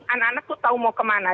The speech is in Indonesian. anak anak tuh tau mau kemana